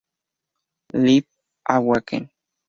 Live At Wacken